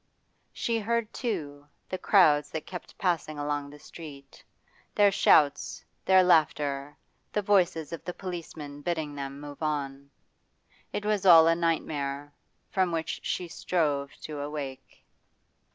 She heard, too, the crowds that kept passing along the street, their shouts, their laughter, the voices of the policemen bidding them move on. It was all a nightmare, from which she strove to awake.